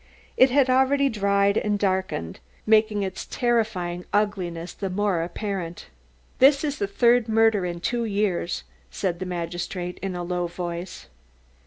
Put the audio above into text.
It had already dried and darkened, making its terrifying ugliness the more apparent. "This is the third murder in two years," said the magistrate in a low voice.